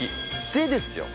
でですよ。